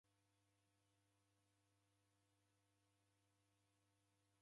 Mburi na ng'ondi rangirwa boronyi